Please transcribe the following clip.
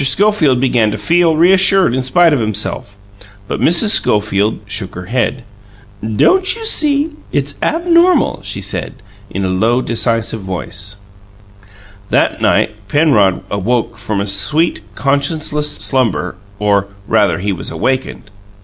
Schofield began to feel reassured in spite of himself; but Mrs. Schofield shook her head. "Don't you see? It's abnormal!" she said, in a low, decisive voice. That night Penrod awoke from a sweet, conscienceless slumber or, rather, he was awakened.